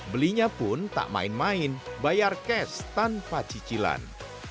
belinya pun tak main main bayar cash tanpa cicilan